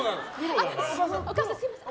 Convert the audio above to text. お母さん、すみません。